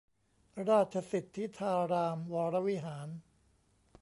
ราชสิทธิธารามวรวิหาร